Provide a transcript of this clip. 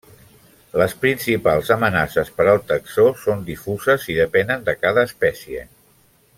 Les principals amenaces per al taxó són difuses i depenen de cada espècie.